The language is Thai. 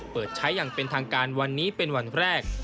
เปิดใช้อย่างเป็นทางการวันนี้เป็นวันแรก